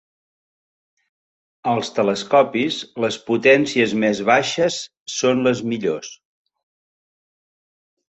Als telescopis, les potències més baixes són les millors.